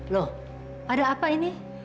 loh ada apa ini